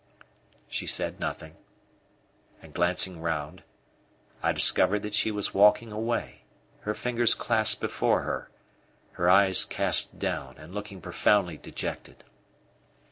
She said nothing, and glancing round, I discovered that she was walking away, her fingers clasped before her, her eyes cast down, and looking profoundly dejected.